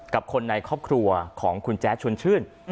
กับคนในครอบครัวของคุณแจ๊ดชวนชื่น